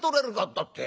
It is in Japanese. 俺だって。